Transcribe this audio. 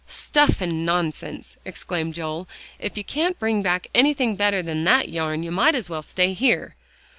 "Stuff and nonsense!" exclaimed Joel, "if you can't bring back anything better than that yarn, you might as well stay here."